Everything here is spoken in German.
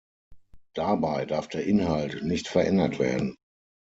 Dabei darf der Inhalt nicht verändert werden.